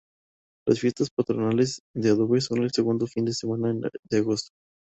Las fiestas patronales de Adobes son el segundo fin de semana de agosto